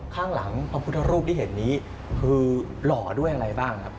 ข้างหลังพระพุทธรูปที่เห็นนี้คือหล่อด้วยอะไรบ้างครับ